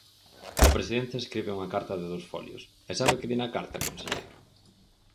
O Presidente escribe unha carta de dous folios, ¿e sabe que di na carta, conselleiro?